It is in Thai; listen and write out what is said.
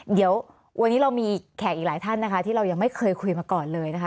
เดี๋ยววันนี้เรามีแขกอีกหลายท่านนะคะที่เรายังไม่เคยคุยมาก่อนเลยนะคะ